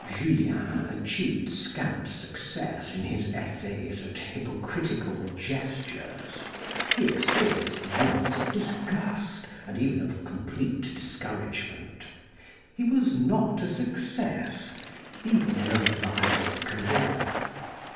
Julien achieved scant success in his essays at hypocritical gestures. He experienced moments of disgust, and even of complete discouragement. He was not a success, even in a a vile career.